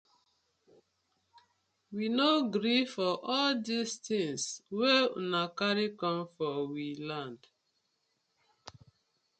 We no gree for all dis tinz wey una karry com for we land.